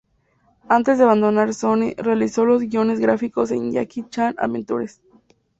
Antes de abandonar Sony, realizó los guiones gráficos en "Jackie Chan Adventures".